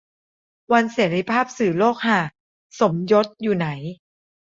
วันเสรีภาพสื่อโลกฮะ สมยศอยู่ไหน